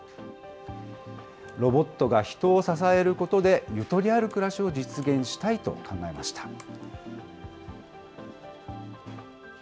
ロボットが人を支えることで、ゆとりある暮らしを実現したいと考えました。